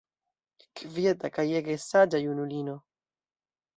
Kvieta kaj ege saĝa junulino.